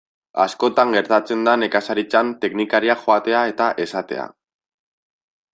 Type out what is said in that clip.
Askotan gertatzen da nekazaritzan teknikariak joatea eta esatea.